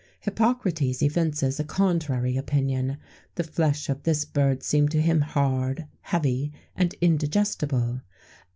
[XVII 42] Hippocrates evinces a contrary opinion. The flesh of this bird seemed to him hard, heavy, and indigestible.